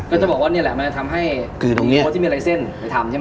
ก็จะบอกว่านี่แหละมันจะทำให้